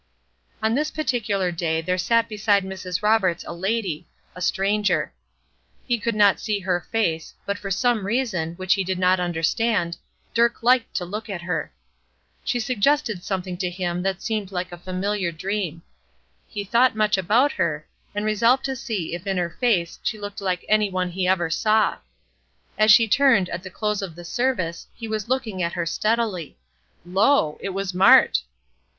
On this particular day there sat beside Mrs. Roberts a lady, a stranger. He could not see her face, but for some reason, which he did not understand, Dirk liked to look at her. She suggested something to him that seemed like a familiar dream. He thought much about her, and resolved to see if in her face she looked like any one he ever saw. As she turned at the close of the service he was looking at her steadily. Lo! it was Mart.